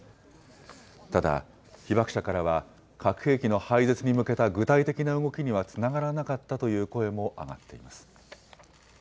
ただ、被爆者からは、核兵器の廃絶に向けた具体的な動きにはつながらなかったという声も上がっています。